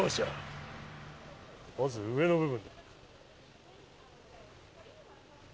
まず上の部分。